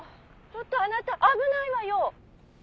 「ちょっとあなた危ないわよ！」